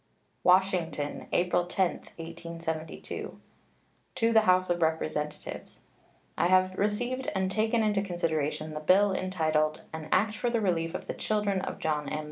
WASHINGTON, April 10, 1872. To the House of Representatives: I have received and taken into consideration the bill entitled "An act for the relief of the children of John M.